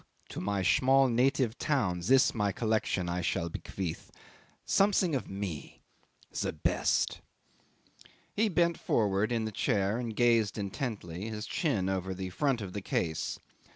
To my small native town this my collection I shall bequeath. Something of me. The best." 'He bent forward in the chair and gazed intently, his chin over the front of the case.